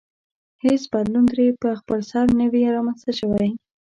هېڅ بدلون ترې په خپلسر نه وي رامنځته شوی.